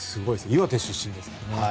岩手出身ですからね。